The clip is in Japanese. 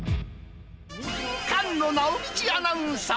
菅野直道アナウンサー。